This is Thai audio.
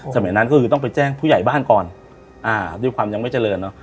สมัยนั้นก็คือต้องไปแจ้งผู้ใหญ่บ้านก่อนอ่าด้วยความยังไม่เจริญเนอะ